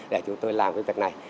để chúng tôi làm việc này